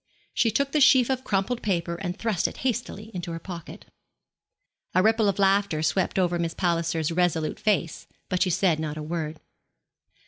She took the sheaf of crumpled paper and thrust it hastily into her pocket. A ripple of laughter swept over Miss Palliser's resolute face; but she said not a word.